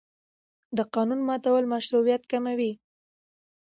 د قانون ماتول مشروعیت کموي